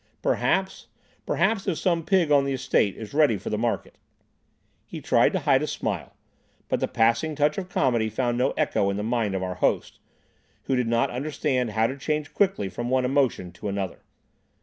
Perhaps—perhaps if some pig on the estate is ready for the market—" He turned to hide a smile; but the passing touch of comedy found no echo in the mind of our host, who did not understand how to change quickly from one emotion to another.